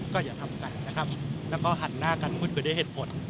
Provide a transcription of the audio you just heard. ก็อย่าทำกันนะครับแล้วก็หันหน้ากันพูดคุยด้วยเหตุผล